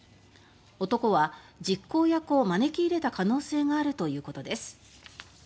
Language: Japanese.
男は、実行役を招き入れた可能性があるということです。